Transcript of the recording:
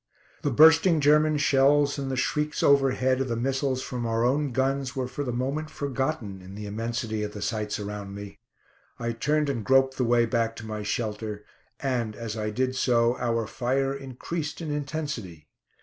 The bursting German shells, and the shrieks overhead of the missiles from our own guns, were for the moment forgotten in the immensity of the sights around me. I turned and groped the way back to my shelter and, as I did so, our fire increased in intensity.